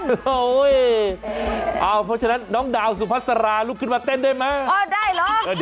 เพราะฉะนั้นน้องดาวสุพัสรารุกขึ้นมาเต้นได้ไหม